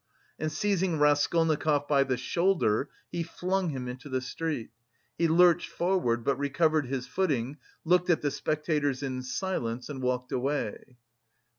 And seizing Raskolnikov by the shoulder he flung him into the street. He lurched forward, but recovered his footing, looked at the spectators in silence and walked away.